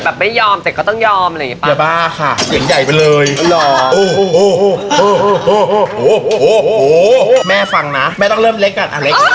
อะไรกับฉันคุณมีความสุขบนร่างกายฉันมั้ยคะ